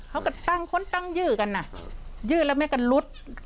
เขาก็ตั้งคนตั้งชื่อกันอ่ะยืดแล้วแม่ก็ลุด